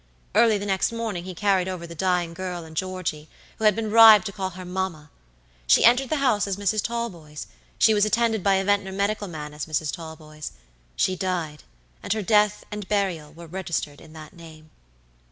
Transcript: Early the next morning he carried over the dying girl and Georgey, who had been bribed to call her 'mamma.' She entered the house as Mrs. Talboys; she was attended by a Ventnor medical man as Mrs. Talboys; she died, and her death and burial were registered in that name.